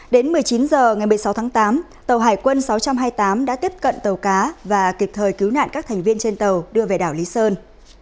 đến một mươi chín h ngày một mươi sáu tháng tám tàu hải quân sáu trăm hai mươi tám đã tiếp cận tàu cá và kịp thời cứu nạn các thành viên trên tàu đưa về đảo lý sơn